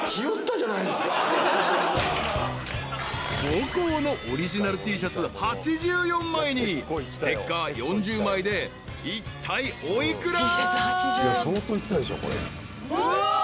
［母校のオリジナルＴシャツ８４枚にステッカー４０枚でいったいお幾ら？］